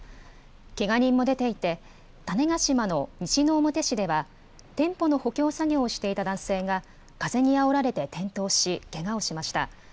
けが人も出ていて、種子島の西之表市では、店舗の補強作業をしていた男性が風にあおられて転倒し、けがをしました。